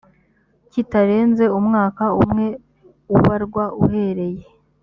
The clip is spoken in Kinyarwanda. kitarenze umwaka umwe ubarwa uhereye